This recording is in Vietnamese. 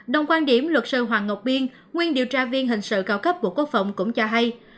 đồng quan điểm luật sư hoàng ngọc biên nguyên điều tra viên hình sự cao cấp bộ quốc phòng cũng cho hay